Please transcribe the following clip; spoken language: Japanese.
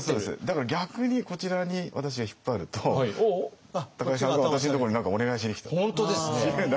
だから逆にこちらに私が引っ張ると高井さんが私のところに何かお願いしに来たっていうふうに。